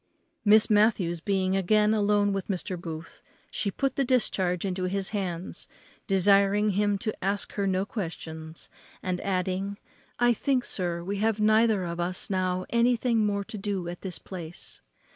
Miss Matthews being again alone with Mr. Booth, she put the discharge into his hands, desiring him to ask her no questions; and adding, "I think, sir, we have neither of us now anything more to do at this place."